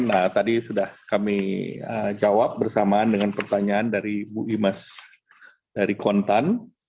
nah tadi sudah kami jawab bersamaan dengan pertanyaan dari bu imas dari kontan